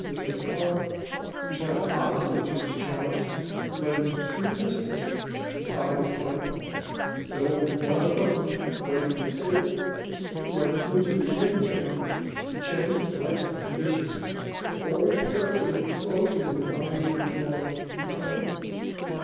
de Saint Mars, who sat opposite to his charge, laid two pistols beside his plate; that only one footman waited at table, who went into the antechamber to change the plates and dishes, always carefully closing the dining room door behind him.